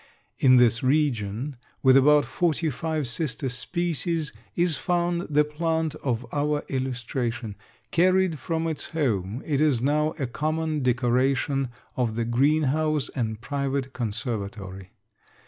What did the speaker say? In this region, with about forty five sister species, is found the plant of our illustration. Carried from its home, it is now a common decoration of the greenhouse and private conservatory.